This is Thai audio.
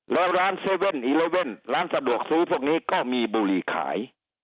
แล้วร้าน๗๑๑ร้านสะดวกซื้อพวกนี้ก็มีบุหรี่ขาย